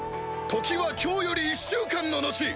時は今日より１週間の後！